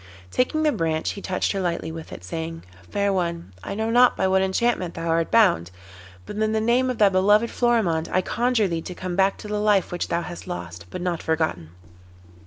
Taking the branch he touched her lightly with it, saying: 'Fair one, I know not by what enchantment thou art bound, but in the name of thy beloved Florimond I conjure thee to come back to the life which thou hast lost, but not forgotten.